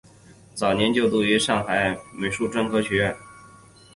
早年就读于于上海美术专科学校。